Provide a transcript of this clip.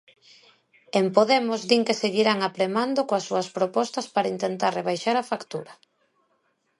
En Podemos din que seguirán apremando coas súas propostas para intentar rebaixar a factura.